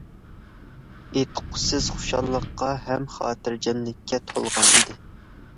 ئېيتقۇسىز خۇشاللىققا ھەم خاتىرجەملىككە تولغان ئىدى.